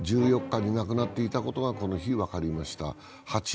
１４日に亡くなっていたことが、この日分かりました。